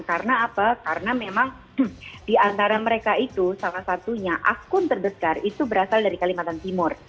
karena apa karena memang di antara mereka itu salah satunya akun terbesar itu berasal dari kalimantan timur